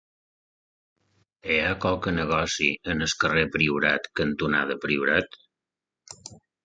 Hi ha algun negoci al carrer Priorat cantonada Priorat?